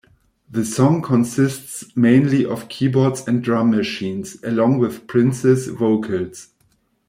The song consists mainly of keyboards and drum machines, along with Prince's vocals.